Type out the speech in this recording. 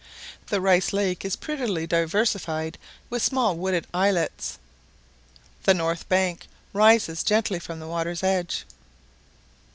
The Rice Lake is prettily diversified with small wooded islets: the north bank rises gently from the water's edge.